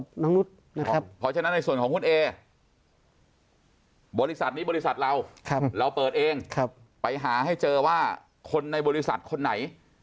บริษัทนี่บริษัทเราเราเปิดเองไปหาให้เจอว่าคนในบริษัทคนไหน